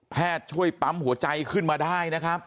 ช่วยปั๊มหัวใจขึ้นมาได้นะครับ